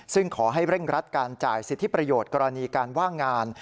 ซึ่งขอให้เร่งรัดการจ่ายสิทธิประโยชน์กรณีการว่างงาน